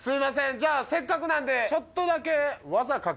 じゃあせっかくなんでちょっとだけ。